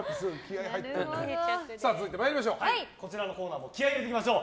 こちらのコーナーも気合入れていきましょう。